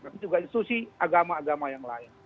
tapi juga institusi agama agama yang lain